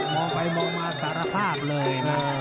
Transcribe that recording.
มองไปมองมาสารภาพเลยนะ